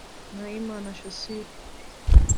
Nahimana Shassir